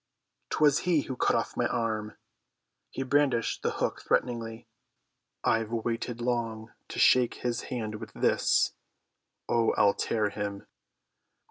'Twas he cut off my arm." He brandished the hook threateningly. "I've waited long to shake his hand with this. Oh, I'll tear him!"